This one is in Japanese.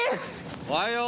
おはよう。